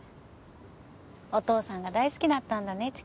お父さんが大好きだったんだね